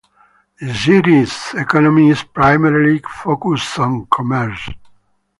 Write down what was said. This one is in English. The City's economy is primarily focused on commerce.